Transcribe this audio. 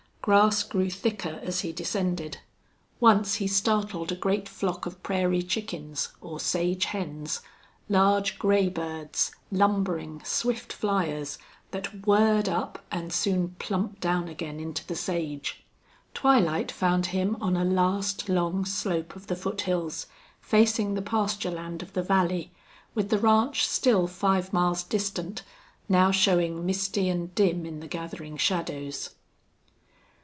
Grass grew thicker as he descended. Once he startled a great flock of prairie chickens, or sage hens, large gray birds, lumbering, swift fliers, that whirred up, and soon plumped down again into the sage. Twilight found him on a last long slope of the foothills, facing the pasture land of the valley, with the ranch still five miles distant, now showing misty and dim in the gathering shadows.